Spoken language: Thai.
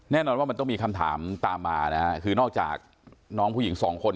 แน่นอนว่ามันต้องมีคำถามตามมานะฮะคือนอกจากน้องผู้หญิงสองคน